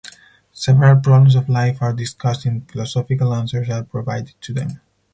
Several problems of life are discussed and philosophical answers are provided to them.